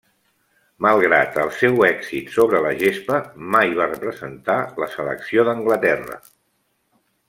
Malgrat el seu èxit sobre la gespa, mai va representar la selecció d'Anglaterra.